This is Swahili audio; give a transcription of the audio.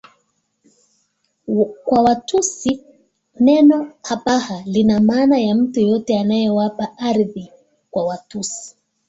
Kwa Watusi neno Abaha lina maana ya mtu yeyote anaowapa ardhi na kwa Watusi